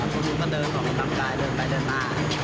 จอดแล้วผมก็เดินของทางซ้ายเดินไปเดินหน้า